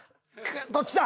どっちだ？